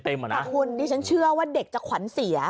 แต่คุณดิฉันเชื่อว่าเด็กจะขวัญเสีย